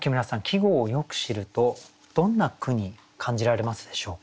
季語をよく知るとどんな句に感じられますでしょうか？